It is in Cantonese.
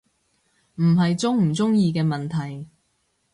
唔係鍾唔鍾意嘅問題